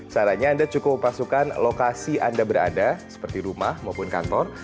caranya anda cukup pasukan lokasi anda berada seperti rumah maupun kantor